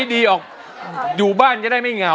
ร้องได้ให้ร้อง